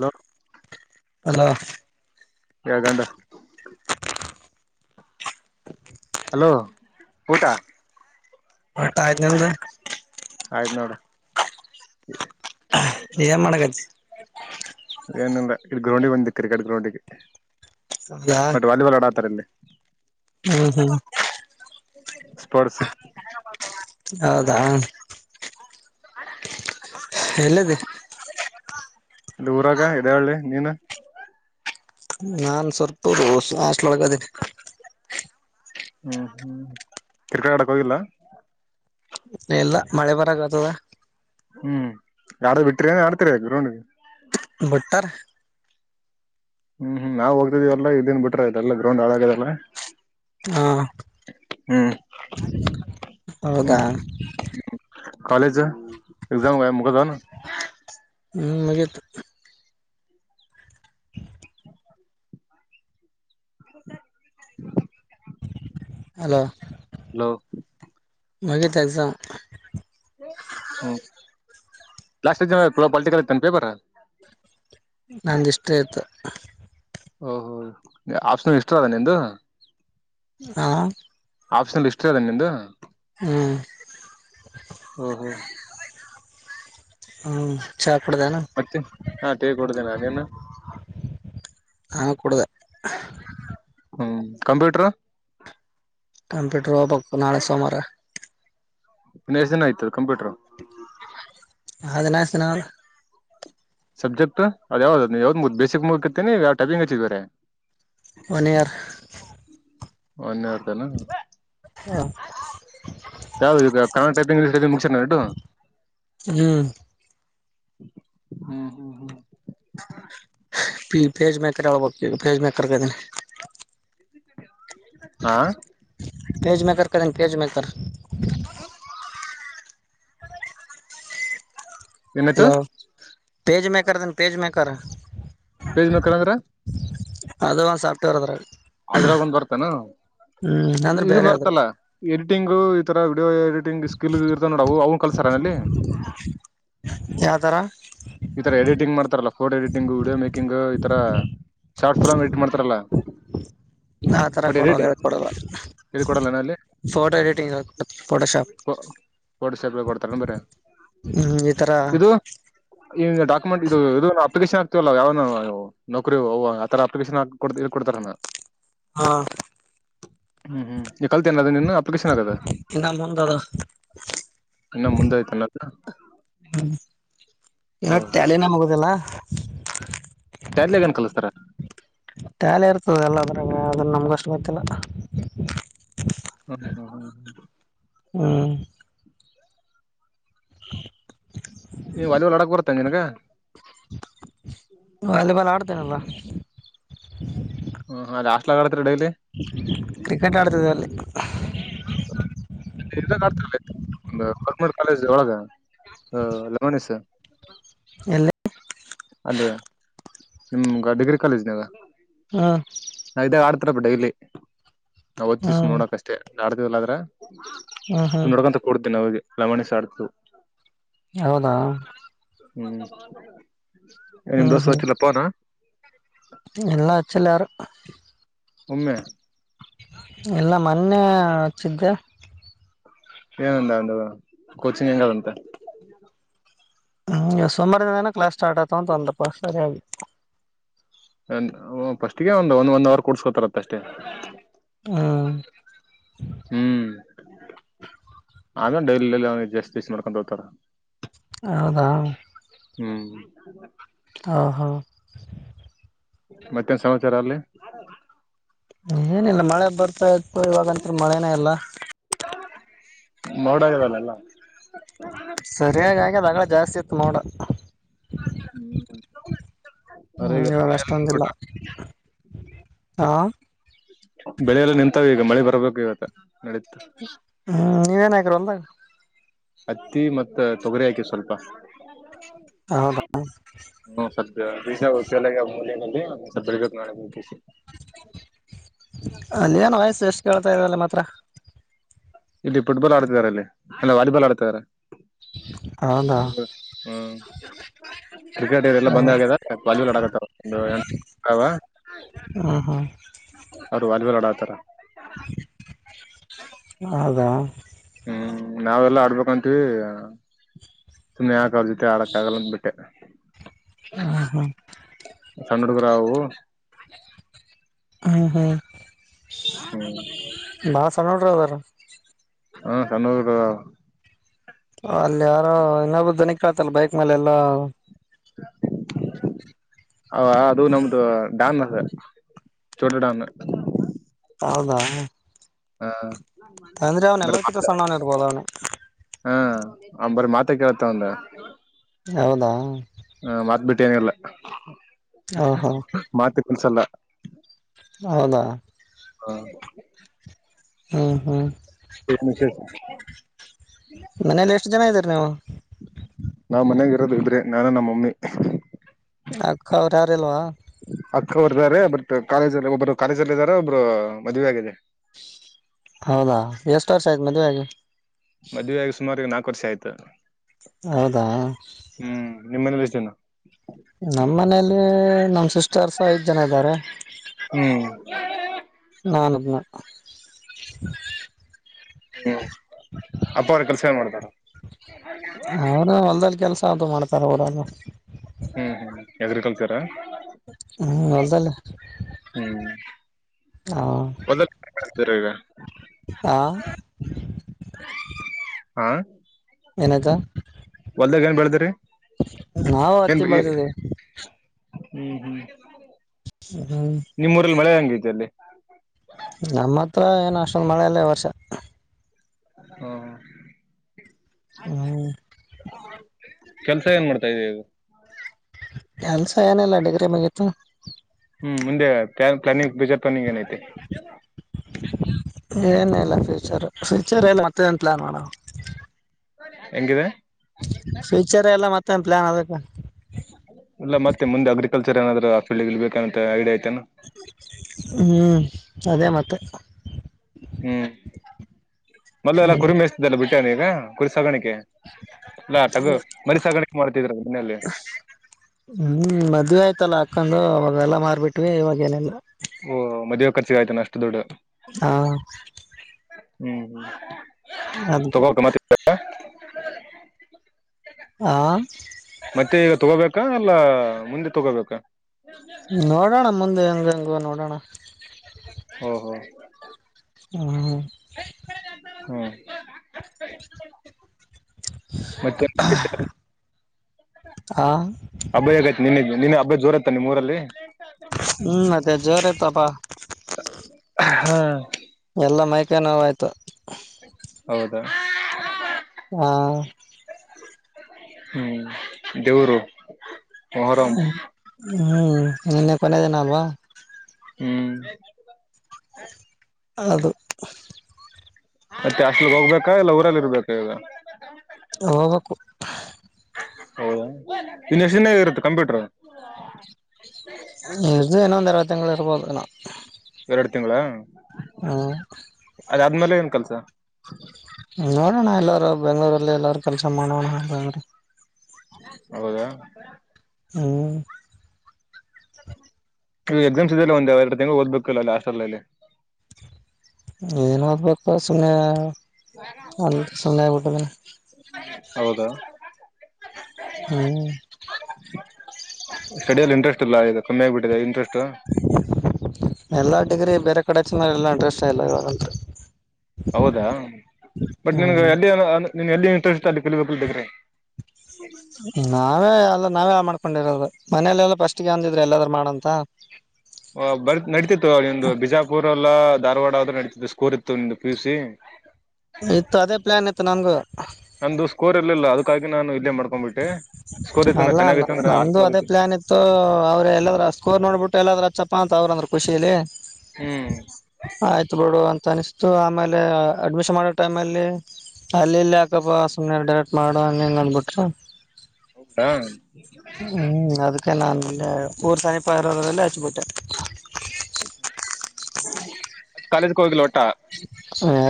Hello. Hello. [unintelligible] Hello ಊಟ ಊಟ ಆಯ್ತು ನಿಂದು. ಆಯ್ತು ನೋಡು. ಏನ್ ಮಾಡಾಕತ್ತಿ. ಏನಿಲ್ಲ ಗ್ರೌಂಡಿಗೆ ಬಂದೆ ಕ್ರಿಕೆಟ್ ಗ್ರೌಂಡಿಗೆ. ಹೌದಾ ವಾಲಿಬಾಲ್ ಆಡಾತರಿಲ್ಲಿ. ಹೌದ. ಸ್ಪೋರ್ಟ್ಸ್. ಹೌದ. ಎಲ್ಲಿ ಆದಿ. ಊರಾಗ ಇದೆ ಹಳ್ಳಿ ನೀನು. ನಾನ್ ಹಾಸ್ಟೆಲ್ ಒಳ್ಳಗ ಆದಿನಿ. ಹ್ಮ್ ಹ್ಮ್ ಕ್ರಿಕೆಟ್ ಆಡಕ್ ಹೋಗಿಲ್ಲ. ಎಲ್ಲ ಮಳೆ ಬರಕತದ್ದ. ಹ್ಮ್ ಗಾಡ ಬಿಟ್ರ ಆ ಡ್ತರಿ ಗ್ರೌಂಡ್. ಬಟ್ಟರೆ. ಹ್ಮ್ ಹ್ಮ್ ನಾವು ಹೋಗತಿದೀ ಎಲ್ಲ ಇದನ್ ಬಿಟ್ರ ಇದೆಲ್ಲ ಗ್ರೌಂಡ್ ಹಳಾಗದಲ್ಲಿ. ಹಾ ಹ್ಮ್ ಹೌದಾ. ಕಾಲೇಜು ಎಕ್ಸಾಮ್ ಮುಗ್ದವ್ ಏನು. ಹ್ಮ್ ಮುಗಿತು. [inaudible] [inaudible] ಹಲೋ. ಹಲೋ ಮುಗಿತ ಕೆಲಸ. ಹ್ಮ ಲಾಸ್ಟ ಪೊಲಿಟಿಕಲ್ ಇತೆನ್ನಾ ಪೇಪರ್. ಹಿಸ್ಟರಿ ಇತ್ತು. ಓಹೋ ಆಪ್ಷನಲ್ ಹಿಸ್ಟರಿ ಅದ ನಿಂದು. ಹಾ ಆಪ್ಷನಲ್ ಹಿಸ್ಟರಿ ಅದ ನಿಂದು. ಹ್ಮ್ ಓಹೋ ಹ್ಮ್ ಚಾ ಕುಡಿದೆನಾ ಮತ್ತೆ ಹಾ ಟೇ ಕೊಡ್ದೇನಾ ನೀನು. ಹಾ ಕುಡಿದೆ. ಹ್ಮ್ ಕಂಪ್ಯೂಟರ್ ಕಾಂಪಿಟೇಟ್ರ್ ಓದಬೇಕು ನಾಳೆ ಸೋಮಾರ. ಮ್ಯಾಗ್ಸಿನ್ಐತಲ ಕಂಪ್ಯೂಟರ್ ಅದ ನ ಸ ನ [inaudible] ಸಬ್ಜೆಕ್ಟ್ ಅದ ಯಾವ್ದದದು ನೀವ್ದ್ ಬೇಸಿಕ್ ಮುಗಕರ್ತೀ [unintelligible] ಯಾವ ಟೈಮಿಂಗ್ ಹಚ್ಚಿದರೆ. ಒನ್ ಇಯರ್ ಒನ ಇಯರತನಾ ಹ್ಮ [inaudible] ಯಾವದು ಈಗ ಕನ್ನಡ ಟೈಪಿಂಗ್ ಮುಗ್ಸನು ಇದು. ಹ್ಮ್, ಹ್ಮ್, ಹ್ಮ್ ಪೇಜ್ ಮೇಕರ್ ಹೇಳ್ಬೇಕು. ಪೇಜ್ ಮೇಕರ್ಗೆ ಇದನಿ ಹಾ, ಪೇಜ ಮೇಕರ್ ಕಂಿ [unintelligible] ಪೇಜ ಮೇಕರ್ ಹ [unintelligible] ಏನಾಯ್ತು ಹಲೋ, ಪೇಜ್ ಮೇಕರ್ ಅದನ ಪೇಜ್ ಮೇಕರ್, ಪೇಜ್ ಮೇಕರಅಂದ್ರ ಅದುಒಂದ ಸಾಪ್ಟವೇರ [unintelligible] ಅದ್ರಾಗ ಒಂದ್ ಬರ್ತಾದನ ಹ್ಮ್ ಅಂದ್ರೆ ಬೇರೆ ಅದ್ರ ಬರ್ತಲ್ಲ ಎಡಿಟಿಂಗು. ಈಥರ ವೀಡಿಯೋ ಎಡಿಟಿಂಗ್ ಸ್ಕಿಲ್ ಇರ್ತದೆ ನೋಡುಅವ್ನು ಕಲ್ಸರ್ ಅಲ್ಲಿ. ಯಾವ ತರ ಈ ತರ ಎಡಿಟಿಂಗ್ ಮಾಡ್ತಾರಲ್ಲ ಫೋಟೋ ಎಡಿಟಿಂಗ್, ವಿಡಿಯೋ ಮೇಕಿಂಗ್ ಈ ತರ ಶಾರ್ಟ್ ಫಿಲ್ಮ್ ಎಡಿಟ್ ಮಾಡ್ತಾರಲ್ಲ. ಆ ತರ ಬಟ್ ಎಡಿಟ್ ಕೊಡೋಲ್ಲ, ಹೇಳ್ ಕೊಡೋಲ್ ಎಲ್ಲಿ ಕೊಡಲ್ಲ ಅಲ್ಲಿ ಫೋಟೋ ಎಡಿಟಿಂಗ್ ಅಂದುಬಿಟ್ಟು ಫೋಟೋಶಾಪ್, ಒಡ್ಸ ಎಪ್ಳ ಕೊಡ್ತಾರ ಬರ [unintelligible] ಹ್ಮ್, ಈ ತರ- ಇ ಡಾಕ್ಯುಮೆಂಟ್ ಇದು ಇದು ಅಪ್ಲಿಕೇಶನ್ ಆಕ್ತಿವಲ್ಲ ಯಾವವು ನೌಕ್ರಿವುಹ ಆತರ ಅಪ್ಲಿಕೇಶನ್ ಇದ ಕೊಡ್ತಾರಲ್ಲ. ಹಾ, ಹ್ಮ್, ಹ್ಮ್ ಈ ಕಲ್ತೇನ ಅದ ನಿನು ಅಪ್ಲಿಕೇಶನ್ ಆಕದು. ಇನ್ನ ಮುಂದಾದ. ಇನ್ನ ಮುಂದೆ ಆಯ್ತಲ್ಲತ್ರ. ಹ್ಮ್, ಇನ್ನೂ ಟ್ಯಾಲಿನೆಮುಗುದಿಲ್ಲಾ. ಟ್ಯಾಲಿನಗ ಎನ್ ಕಲಿಸತಾರ. ಟ್ಯಾಲಿ ಇರ್ತದೆ ಎಲ್ಲ ಅದ್ರಾಗ ಅದ್ರನ್ನ ನಮ್ಗು ಅಷ್ಟ ಗೊತ್ತಿಲ್ಲ. ಹ್ಮ ಹ್ಮ ಹ್ಮ ಹೌದು [inaudible] ಹ್ಮ್, ಹ [inaudible] ವಾಲಿಬಾಲ್ ಆಡಕ್ ಬರ್ತೇನ ನಿನ್ಗ. ವಾಲಿಬಾಲ್ ಆಡ್ತೀನಲ್ಲ. ಹ್ಮ್, ಹಾಸ್ಟ್ಲ [unintelligible] ಆತತಿರಿ ಡೈಲಿ ಕ್ರಿಕೆಟ್ ಆಡ್ತಿದೆ ಅಲ್ಲಿ. ರ್ತ ಒಂದು ಕಲ್ಮರ್ ಕಾಲೇಜ್ ಒಳಗ [unintelligible] ಹ ರಮಣಸ [inaudible] ಎಲ್ಲೇ [inaudible] ಅಲ್ಲಿ ನಿಮ್ಗ ಡಿಗ್ರಿ ಕಾಲೇಜ್ನಾಗ. ಹಾ ನಾವ ಇದಾಗ ಆಡ್ತಾರಪ್ಪ ಡೈಲಿ ನಾವ್ ಅವತ್ತಿದ್ದ ಹ್ಮ್ ನೋಡಕ್ ಅಷ್ಟೇ ಆಡ್ತವಲ್ಲ ಆದ್ರ.. ಹ್ಮ್ ಹ್ಮ್ [unintelligible] ನೋಡ್ಕಂತ ಕೊಡ್ತೇನೆ ಅವಿಗೆ ಲಮಣಸ ಆಡ್ತು ಹೌದಾ ಹ್ಮ [inaudible] ಏನ್ ದೋಸೆ ವಚ್ಚಲ ಪೋನ. [inaudible] ಎಲ್ಲಾಚಲ್ಲಾಲ್ಲ ಯಾರು ಒಮ್ಮೆ ಎಲ್ಲ ಮೊನ್ನೆ ಹಚ್ಚಿದ್ದೆ. ಏನಂದ ಅನ್ನೋದ್ ಕೋಚಿಂಗ್ ಹೆಂಗದಂತ ಹ ಸೋಮವಾರ ದಿನನೇ ಕ್ಲಾಸ್ ಸ್ಟಾರ್ಟ್ ಆತ ಅಂತಂದಪ್ಪ ಸರಿಯಾಗಿ. ಅಂದೇ ಹು ಫಸ್ಟ್ಗೆ ಒನ ಒಂದ್ ಒಂದ್ ಅವರ್ ಕೊಡ್ಸ್ಕೋತಾರತ್ತ ಅಷ್ಟೇ. [inaudible] ಹ್ಮ್ ಹ್ಮ್ ಆಗಾಗ ಡೈಲಿಅವಿಗೆ ಜಾಸ್ತಿಸ್ ಮಾಡ್ಕೊಂಡು ಹೋಗತಾರ ಹೌದಾ ಹ್ಮ್ ಹಾ ಹಾ ಮತ್ತೇನ್ ಸಮಾಚಾರ ಅಲ್ಲಿ. ಏನಿಲ್ಲ ಮಳೆ ಬರ್ತಾ ಇತ್ತು ಇವಾಗತ್ ಮಳೆನೇ ಇಲ್ಲ [unintelligible] ನೋಡಗದ ಯಲ್ಲ ಸರಿಯಾ ಆಗಿದೆ ಆಗಳೆ ಜಾಸ್ತಿ ಇತ್ತ ನೋಡ. [inaudible] ಹೊರಗೆಲ್ಲ ಇವಾಗ ಅಷ್ಟೊಂದು ಇಲ್ಲ ನಿಂತ್ಬಿಟ್ಟು ಹಾ ಬೆಳೆಲ್ಲ ನಿಂತಾವ ಈಗ ಮಳೆ ಬರ್ಬೇಕು ಇವತ್ತ ನಡಿಯತ್ತ. ಹ್ಮ್ ನೀವೇನ ಹಾಕಿರಿ ಹೊಲದಾಗ ಹತ್ತಿ ಮತ್ತ ತೊಗರಿ ಹಾಕಿ ಸ್ವಲ್ಪ [unintelligible] ಹೌದಾ ಹ್ಮ ಸ್ವಲ್ಪ್ ಬೀಜ ಅವು ಫೇಲ್ ಅಗ್ಯಾವ ಮೂಲೆಲೆ ಸ್ವಲ್ಪ್ ಬಿಡಬೇಕ ಹೂವು ಕೋಸಿ ಹಾ ಅಲ್ಲಿ ಏನ್ ವಯಸ್ಸ ಎಷ್ಟು ಕೇಳ್ತಾ ಇದರಲ್ಲ ಮಾತ್ರ. ಇಲ್ಲಿ ಫುಟ್ಬಾಲ್ ಆಡ್ತಿದಿದ್ದಾರೆ ಅಲ್ಲಿ ಇಲ್ಲ ವಾಲಿಬಾಲ್ ಆಡ್ತಿದಿದ್ದಾರೆ [inaudible] ಹೌದಾ ಹುಡುಗ [inaudible] ಹಂಗ ಕ್ರಿಕೆಟ್ ಇದೆಲ್ಲ ಹ ಬಂದ್ ಆ್ಯಗೆದ್ದ ವಾಲಿಬಾಲ್ ಆಡಕತ್ತರ ಒಂದ್ ಏಳ ಎಂಟು ಜನ ಅದಾವ ಹ್ಮ್ಮ್ ಹ್ಮ್ಮ್ ಅವರು ವಾಲಿಬಾಲ್ ಆಡಕತ್ತಾರ. [unintelligible] ಹೌದಾ ಹ್ಮ್ ನಾವೆಲ್ಲಾ ಆಡ್ಬೇಕಂತೀವಿ ಸುಮ್ಮ್ನೆ ಯಾಕ ಅವ್ರ ಜೊತೆ ಆಡಕ್ ಆಗಲ್ಲಂದ ಬಿಟ್ಟೆ. ಹಾ ಹಾ ಸಣ್ಣ ಹುಡುಗರಾವವು. [unintelligible] ಹ್ಮ್ಮ್ ಹ್ಮ್ಮ್ ಹ್ಮ ಬಾಳ ಸಣ್ಣ ಹುಡ್ರು ಅದರಾ ಹಾ ಸಣ್ಣವಾ ಇದ್ದವ ಹಾ ಅಲ್ಲಿ ಯಾರೋ ಇನ್ನೊಬ್ರು ದನಿಕೇಳತ ಬೈಕ್ ಮೇಲೆ ಎಲ್ಲಾ [inaudible] ಅ ಅದು ನಮ್ದು ಡಾಮ್ ಅದು ಚೋಟ ಡಾಮ್ ಹೌದಾ ಹಾ ಅಂದ್ರೆ ನನಗಿಂತ ಸಣ್ಣೊನ್ ಇರ್ಬೋದು ಅವ್ನು ಹಾ ಅವನ್ ಬಾರಿ ಮಾತೆ ಕೇಳುತ್ತೆ ಅವನಂದು ಹೌದಾ ಹ ಮಾತ್ ಬಿಟ್ಟೆನಿಲ್ಲ‌. ಹ ಹಾ ಮಾತು ಕಲಸಲ್ಲ. ಹೌದ ಹಾ ಹಾ ಹಾ ಏನ್ ವಿಸೇಷ ಮನೇಲಿ ಎಷ್ಟು ಜನ ಇದ್ದೀರಿ ನೀವು. ನಾವ್ ಮನ್ಯಾಗ ಇರೋದು ಇಬ್ರೆ ನಾನು ನಮ್ಮ್ ಮಮ್ಮಿ. ಅಕ್ಕವರೂ ಯಾರು ಇಲ್ವಾ. ಅಕ್ಕವರಾರೆ ಬಟ್ ಕಾಲೇಜಲ್ಲಿ ಒಬ್ರು ಕಾಲೇಜ್ ಅಲ್ಲಿ ಇದ್ದಾರೆ ಒಬ್ಬರು ಮದ್ವೆ ಆಗಿದೆ. ಹೌದಾ ಎಷ್ಟು ವರ್ಷ ಆಯ್ತು ಮದುವೆ ಆಗಿ ಮದುವೆಯಾಗಿ ಸುಮಾರು ನಾಲ್ಕು ವರ್ಷ ಆಯ್ತು. ಹೌದಾ ಹ್ಮ್ ನಿಮ್ಮ ಮನೇಲಿ ಎಷ್ಟ್ ಜನ. ನಮ್ಮ್ ಮನೇಲಿ ನಮ್ ಸಿಸ್ಟರ್ಸ ಐದ್ ಜನ ಇದ್ದಾರೆ. ಹ್ಮ್ ನಾನು ಒಬ್ಬನೇ. ಹ್ಮ್ ಅಪ್ಪ ಅವರು ಕೆಲಸ ಏನ್ ಮಾಡ್ತಾರ. ಅವರು ಹೊಲ್ದಲ್ಲಿ ಕೆಲಸ ಅದು ಮಾಡ್ತಾರ ಊರಗ. ಹ್ಮ್ ಹ್ಮ್ ಅಗ್ರಿಕಲ್ಚರ ಹ್ಮ್ ಹೊಲ್ದಾಲೇ ಹ್ಮ್ ಹ ಒಂದ್ಕ್ ತೀರ ಈಗ ಹಾ ಹಾ ಏನಾಯ್ತು ಹೊಲ್ದಾಗ ಏನ್ ಬೆಳದ್ರಿ ನಾವು ಏನ್ ಹತ್ತಿ ಬೆಳೆದಿದ್ದೀವಿ ಹ್ಮ್ ಹ್ಮ್ ಹ್ಮ ನಿಮ್ಮೂರಲ್ಲಿ ಮಳೆ ಹೆಂಗೈತೆ ಅಲ್ಲಿ. ನಮ್ಮ ಹತ್ರ ಏನು ಅಷ್ಟೊಂದು ಮಳೆ ಇಲ್ಲ ಈ ವರ್ಷ. ಹ್ಮ ಹ್ಮ್ ಕೆಲಸ ಏನ್ ಮಾಡ್ತಾ ಇದ್ದೀಯ ಇವಾಗ. ಕೆಲ್ಸ ಏನಿಲ್ಲ ಡಿಗ್ರಿ ಮುಗಿತ್ತು ಹ್ಮ್ ಮುಂದೆ ಪ್ಲಾನಿಂಗ್ ಬಜಾರ್ ಪ್ಲಾಂನ ಏನೈತಿ. ಹ [unintelligible] ಏನೆಲ್ಲ ಪ್ಯೂಚರ್ ಪ್ಯೂಚರ್ ಇಲ್ಲ ಮತ್ತೆನ್ ಪ್ಲಾನ್ ಮಾಡಾಣ ಹೆಂಗಿವೆ. ಪ್ಯೂಚರೆ ಇಲ್ಲ ಮತ್ತೇನ್ ಪ್ಲಾನ್ ಅದಕ್ಕ. ಇಲ್ಲ ಮತ್ತೆ ಮುಂದೆ ಅಗ್ರಿಕಲ್ಚರ್ ಏನಾದ್ರ ಪಿಲ್ಡ್ಗೆ ಇಳಿಬೇಕ ಅಂತ ಐಡಿಯಾ ಐತೆೇನಾ [unintelligible] ಹ್ಮ್ ಅದೇ ಮತ್ತ ಹ್ಮ್ [inaudible] ಮೊದ್ಲ ಎಲ್ಲ ಹ್ಮ್ ಕುರಿಮೆಸ್ತದೆಲ್ಲ ಬಿಟ್ಟನ ಈಗ ಕುರಿ ಸಾಗಾಣಿಕೆ. ಅಲ್ಲಾಟಗ ಮರಿ ಸಾಗಾಣಿಕೆ ಮಾಡ್ತಿದ್ರ ಮನೆಯಲ್ಲಿ. ಹ್ಮ್ ಮದ್ವಿ ಆಯ್ತಲ್ಲ ಅಕ್ಕಾದ ಅವಾಗೆಲ್ಲಾ ಮಾರ್ಬಿಟ್ವಿ ಇವಾಗ ಏನೆಲ್ಲ ಓಹ ಮದುವೆ ಖರ್ಚಗ ಆಯತಾನ ಅಷ್ಟ ದೊಡ್ ಹಾ [inaudible] ಹ್ಮ್ ಅದಕ್ಕೆ ತಗೋಕ ಮತ್ತೆ [unintelligible] ಹಾ ಮತ್ತೆ ಇವಾಗ್ ತಗೋಬೇಕಾ ಅಲ್ಲ ಮುಂದೆ ತಗೋಬೇಕಾ ನೋಡೋಣ ಮುಂದೆ ಹೆಂಗ ಹೆಂಗುವ ನೋಡೋಣ. ಒಹ್ ಒಹ್ [inaudible] [unintelligible] ಹ್ಮ ಮತ್ತೆ ಹಾ ಅಬ್ಬ ಹೇಗೈತಿ ನಿಿನ ನಿನ್ನ ಹಬ್ಬ ಜೋರ ಆತ ನಿಮ್ಮ ಊರಲ್ಲಿ ಹ್ಮ್ ಮತ್ತೆ ಜೋರ್ ಆಯ್ತಾಪಾ [inaudible] ಹಾ ಎಲ್ಲ ಮೈಕೈ ನೋವು ಆಯ್ತು ಹೌದಾ [unintelligible] ಹಾ [inaudible] ಹ್ಮ್ ದೇವರು ಮೊಹರಂ ಹ್ಮ್ [inaudible] ನಿನ್ನೆ ಕೊನೆ ದಿನಾ ಅಲ್ಲ್ವಾ ಹ್ಮ್ ಅಳದು ಮತ್ತೆ ಹಾಸ್ಟೆಲ್ ಹೋಗ್ಬೇಕಾ ಇಲ್ಲ ಊರಲ್ಲಿ ಇರ್ಬೇಕಾ ಈವಗ.. ಹೋಗಬೇಕು ಹೌದಾ ಇನ್ನ ಎಷ್ಟ ದಿನ ಇರತ್ತ ಕಂಪ್ಯೂಟರ್ ಈವರದು ಏನೊ ಒಂದ ಅರ್ಧ ತಿಂಗಳ್ ಇರಬಹುದು ಏನೋ ಎರಡ್ ತಿಂಗಳ.. ಹು ಅದ ಆದ್ಮೇಲೆ ಏನ್ ಕೆಲ್ಸ ನೋಡೋಣ ಎಲ್ಲರು ಬೆಂಗಳೂರಲ್ಲಿ ಎಲ್ಲಾರ ಕೆಲಸ ಮಾಡೋಣ ಹಂಗ ಹೌದಾ ಹ್ಮ ನೀ ಎಕ್ಸಾಮ್ಸ್ ಇದದೆಲ್ಲ ಒಂದೆ ಎರ ಎರಡು ತಿಂಗಳು ಓದಬೇಕ ಅಲ್ಲಿ ಹಾಸ್ಟೆಲ್ ಅಲ್ಲಿ ಏನ್ ಓದಬೇಕ್ ಪಾ ಸುಮ್ನೆ. ಅ ಸುಮ್ನೆ ಆಗ್ಬಿಟ್ಟಿದೀನಿ [unintelligible] ಹೌದಾ [unintelligible] ಹ್ಮ [unintelligible] ಸ್ಟಡಿಯಲ್ಲಿ ಇಂಟ್ರೆಸ್ಟ್ ಇಲ್ಲ ಈಗ ಕಮ್ಮಿ ಆಗ್ಬಿಟ್ಟಿದೆ ಇಂಟ್ರೆಸ್ಟ್ [unintelligible] ಎಲ್ಲ ಡಿಗಿರಿ ಬೇರೆ ಕಡೆ ಹಚ್ಚಿದ್ದ್ ಇಂಟ್ರೆಸ್ಟ್ ಇಲ್ಲ ಇವಾಗಂತ ಹೌದಾ [inaudible] ಬಟ್ ನಿನ್ಗೆ ಹ್ಮ್ ಎಲ್ಲಿ ನಿನಗ ಇಂಟ್ರೆಸ್ಟ್ ಅಲ್ಲಿ ಕಲಿಬೇಕಲ್ಲ ಡಿಗ್ರಿ ನಾವೇ ಅಲ್ಲ ನಾವೇ ಮಾಡ್ಕೊಂಡಿರೋದು ಮನಲೆೆಲ್ಲ ಫಸ್ಟ್ಗೆ ಅಂದಿದ್ರೆ ಎಲ್ಲಾದ್ರೂ ಮಾಡಂತ ಬರ್ತ್ ನಡೀತಿತ್ತು ನಿಂದು ಬಿಜಾಪುರ್ ಅಲ್ಲ ಧಾರವಾಡ ಆದ್ರೆ ನಡೀತಿತ್ತ ಸ್ಕೋರ್ ಇತ್ತು ನಿಂದು ಪಿ ಯು ಸಿ. ಇತ್ತು ಅದೇ ಪ್ಲಾನ್ ಇತ್ತು ನನ್ಗು. ನಂದು ಸ್ಕೋರ್ ಇರ್ಲಿಲ್ಲ ಅದಕ್ಕಾಗಿ ನಾನು ಇಲ್ಲೇ ಮಾಡ್ಕೊಂಡ್ಬಿಟ್ಟೆ ಸ್ಕೋರ್ ಇತ್ತಂದ್ರೆ ಚೆನ್ನಾಗಿತ್ತು ಅಂದ್ರ ಹಾಸ್ಟಲ್ [unintelligible] ಸೊ ಅವ್ರು ಎಲ್ಲದ್ರ್ ಸ್ಕೋರ್ ನೋಡ್ಬಿಟ್ಟು ಎಲ್ಲಾದ್ರೂ ಅಚ್ಚಪ್ಪಾ ಅಂತ ಅವ್ರಂದ್ರು ಖುಷಿಲ್ಲಿ. ಹ್ಮ್ ಆಯ್ತು ಬುಡು ಅಂತ ಅನಿಸ್ತು ಆಮೇಲೆ ಅಡ್ಮಿಷನ್ ಮಾಡೋ ಟೈಮ್ ಅಲ್ಲಿ, ಅಲ್ಲಿ ಇಲ್ಲಿ ಯಾಕಪ್ಪಾ ಸುಮನೆ ಡೈರೆಕ್ಟ್ ಮಾಡು ಹಂಗ್ ಹಿಂಗಂದ್ಬಿಟ್ ಹೌದಾ ಹ್ಮ್ ಅದಕ್ ಕಲ ನಾನ್ ಅಲ್ಲೇ ಊರು ಸಮೀಪ ಇರೋದ್ರಲ್ಲೆ ಹಚ್ಬಟ್ಟೆ. ಕಾಲೇಜಕ ಹೋಗಿಲ್ಲ ಒಟ್ಟ.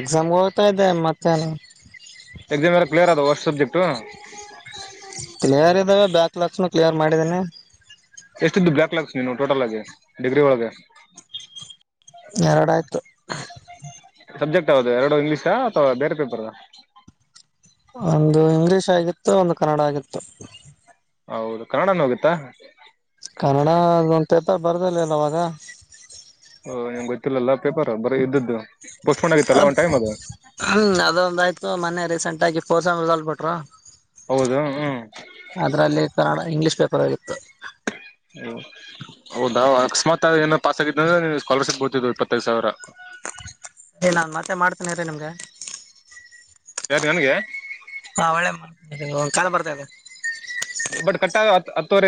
ಎಕ್ಸಾಮ್ಗೆ ಓದ್ತಾ ಇದ್ದೆ ಮತ್ತೇನು. ಎಕ್ಸಾಮ ಎಲ್ಲಾ ಕ್ಲಿಯರ್ ಅದಾವ ಹೊಸಷ್ ಸಬ್ಜೆಕ್ಟ್. ಕ್ಲಿಯರ್ ಇದ್ದಾವೆ ಬ್ಯಾಕ್ ಲಾಕ್ಸ್ನು ಕ್ಲಿಯರ್ ಮಾಡಿದ್ದೀನಿ. ಎಷ್ಟು ಇದ್ದುವ್ ಬ್ಲ್ಯಾಕ್ ಲಾಕ್ಸ್ ನೀನವು ಟೋಟಲ್ ಆಗಿ ಡಿಗ್ರಿ ಒಳಗೆ. ಎರಡ ಆಯ್ತ. ಸಬ್ಜೆಕ್ಟ್ ಯವ್ದು ಎರಡು ಇಂಗ್ಲೀಷ ಅಥವಾ ಬೇರೆ ಪೇಪರದ್. ಒಂದು ಇಂಗ್ಲೀಷ್ ಆಗಿತ್ತು. ಒಂದು ಕನ್ನಡ ಆಗಿತ್ತು. ಹೌದು ಕನ್ನಡನ ಹೋಗುತ್ತಾ. ಕನ್ನಡ ಅದೊಂದು ಪೇಪರ್ ಬರ್ದಿರ್ಲಿಲ್ಲ ಅವಾಗ. ಹ ನಿಮ್ಗೆ ಗೊತ್ತಿಲ್ಲಲ್ಲಾ ಪೇಪರ್ ಬರೀ ಇದ್ದದ್ದು. ಪೋಸ್ಟ್ಪೋನ್ ಅ ಆಗಿತ್ತಲ್ಲ ಒಂದ್ ಟೈಮ್ ಅದು ಹ್ಮ್ ಅದೊಂದಾಯ್ತು ಮೊನ್ನೆ ರೀಸೆಂಟಾಗಿ ಫೋರ್ ಸೇಮ್ ರಿಸಲ್ಟ್ ಬಿಟ್ರು. ಹೌದು ಹ್ಮ್. ಅದ್ರಲ್ಲಿ ಕನ್ನಡ ಇಂಗ್ಲೀಷ್ ಪೇಪರ್ ಹೋಗಿತ್ತು. ಹೌದ ಅಕಸ್ಮಾತ್ ಏನೋ ಪಾಸ್ ಆಗಿದನದ್ರಾ ನಿನ್ಗ್ ಸ್ಕಾಲರ್ಶಿಪ್ ಬೀಳ್ ತಿದವು ಇಪ್ಪತ್ತೈದು ಸಾವಿರ. ಏ ನಾನ್ ಮತ್ತೆ ಮಾಡ್ತೇನೀ ಇರಿ ನಿಮ್ಗೆ. ಯಾರ ನನ್ಗೆ. ಹಾ ಒಳ್ಳೆ ಮಾಡ್ತನಿ ಇರಿ ಕಾಲ್ ಬರ್ತಾ ಇದೇ. ಬಟ್ ಕಟ್ಟ ಆಗವ್ ಹತ್ತ ಹತ್ತವ್ರೇ.